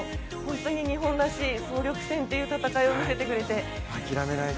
日本らしい、総力戦っていう戦いを見せてくれて。